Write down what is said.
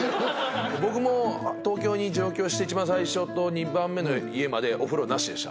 僕も東京に上京して１番最初と２番目の家までお風呂なしでした。